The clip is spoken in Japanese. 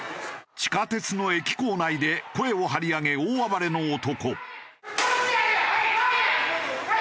地下鉄の駅構内で声を張り上げ大暴れの男。